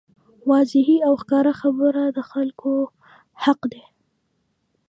واضحې او ښکاره خبرې د خلکو حق دی.